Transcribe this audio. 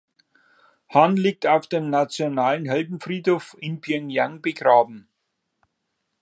Han liegt auf dem Nationalen Heldenfriedhof in Pjöngjang begraben.